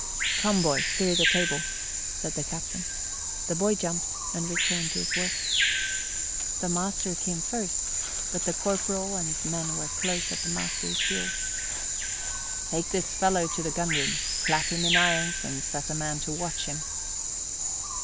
"Come, boy, clear the table," said the captain. The boy jumped and returned to his work. The master came first, but the corporal and his men were close at the master's heels. "Take this fellow to the gun room, clap him into irons, and set a man to watch him."